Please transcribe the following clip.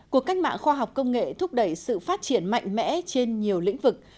cuộc cách mạng khoa học công nghệ thúc đẩy sự phát triển mạnh mẽ trên nhiều lĩnh vực